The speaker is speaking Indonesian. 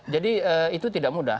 jadi itu tidak mudah